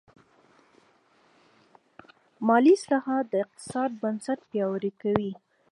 مالي اصلاحات د اقتصاد بنسټ پیاوړی کوي.